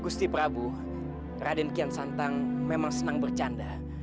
gusti prabu raden kian santang memang senang bercanda